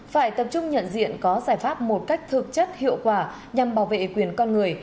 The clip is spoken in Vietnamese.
phải tập trung nhận diện có giải pháp một cách thực chất hiệu quả nhằm bảo vệ quyền con người